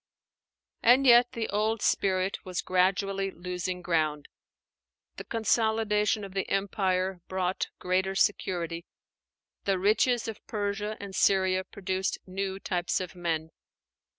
And yet the old spirit was gradually losing ground. The consolidation of the empire brought greater security; the riches of Persia and Syria produced new types of men.